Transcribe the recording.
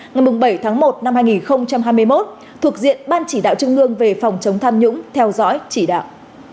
ngày bảy tháng một năm hai nghìn hai mươi một thuộc diện ban chỉ đạo trung ương về phòng chống tham nhũng theo dõi chỉ đạo